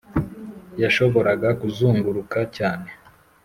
yashoboraga kuzunguruka cyane